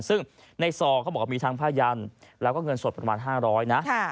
ซึ่งในซองเขาบอกว่ามีทั้งผ้ายันแล้วก็เงินสดประมาณ๕๐๐นะ